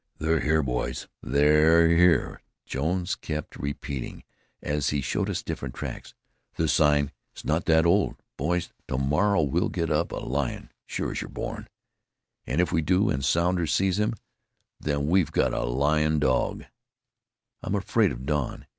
"They're here, boys, they're here," Jones kept repeating, as he showed us different tracks. "This sign is not so old. Boys, to morrow we'll get up a lion, sure as you're born. And if we do, and Sounder sees him, then we've got a lion dog! I'm afraid of Don.